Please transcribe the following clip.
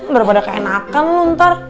berapa ada keenakan lo ntar